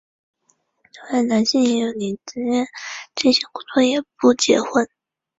另外男性也有些宁愿醉心工作也不结婚。